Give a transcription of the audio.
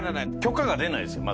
許可が出ないですよ